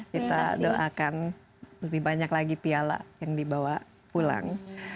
kita doakan lebih banyak lagi piala yang dibawa pulang